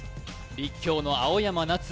立教の青山波月